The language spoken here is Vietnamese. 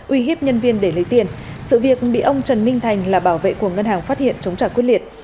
uy hiếp nhân viên để lấy tiền sự việc bị ông trần minh thành là bảo vệ của ngân hàng phát hiện chống trả quyết liệt